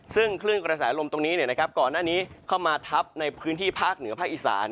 ซึ่งคลื่นกระแสลมตรงนี้ก่อนหน้านี้เข้ามาทับในพื้นที่ภาคเหนือภาคอีสาน